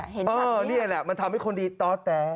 เห็นกับนี้เออนี่แหละมันทำให้คนดีต่อแต้